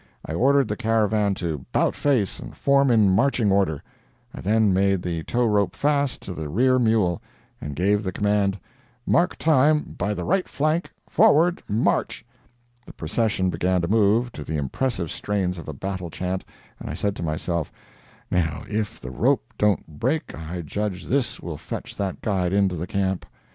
I ordered the caravan to 'bout face and form in marching order; I then made the tow rope fast to the rear mule, and gave the command: "Mark time by the right flank forward march!" The procession began to move, to the impressive strains of a battle chant, and I said to myself, "Now, if the rope don't break I judge THIS will fetch that guide into the camp."